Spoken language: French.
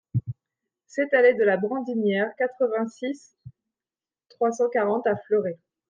sept allée de la Brandinière, quatre-vingt-six, trois cent quarante à Fleuré